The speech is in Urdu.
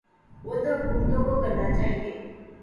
وہ تو حکومتوں کو کرنا چاہیے۔